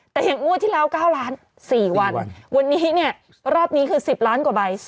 แต่อย่างงวดที่แล้ว๙ล้าน๔วันวันนี้เนี่ยรอบนี้คือ๑๐ล้านกว่าใบ